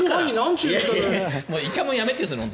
いちゃもんやめてよ。